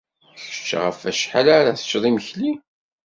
Kečč ɣef wacḥal ara teččeḍ imekli?